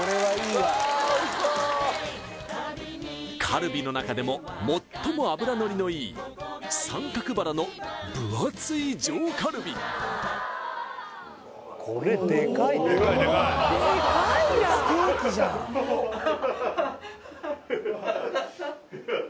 カルビの中でも最も脂のりのいい三角バラの分厚い上カルビ重っ！